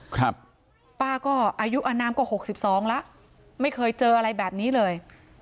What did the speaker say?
ครับป้าก็อายุอนามก็หกสิบสองแล้วไม่เคยเจออะไรแบบนี้เลย